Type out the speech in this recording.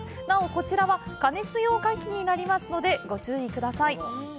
こちらは加熱用カキになりますのでご注意ください。